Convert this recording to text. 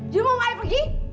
you mau mau i pergi